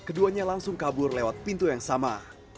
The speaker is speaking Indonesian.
keduanya langsung kabur lewat pintu yang sama